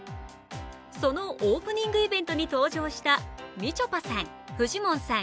そのオープニングイベントに登場したみちょぱさん、フジモンさん